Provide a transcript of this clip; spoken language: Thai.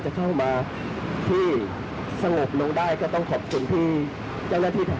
จะเข้ามาที่สงบลงได้ก็ต้องขอบคุณพี่เจ้าหน้าที่ทาง